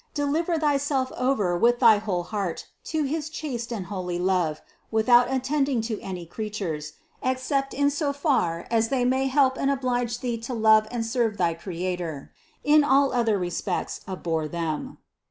Deliver thyself over with thy whole heart to his chaste and holy love, without attending to any creatures, except in so far as they may help and oblige thee to love and serve thy Creator ; in all other respects abhor them.